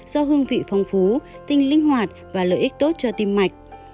do hương vị phong phú tinh linh hoạt và lợi ích tốt cho tim mạch